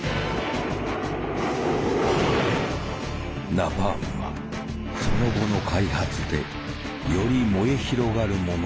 ナパームはその後の開発でより燃え広がるものとなっていた。